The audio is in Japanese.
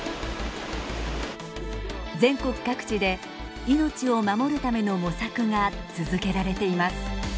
全国各地で命を守るための模索が続けられています。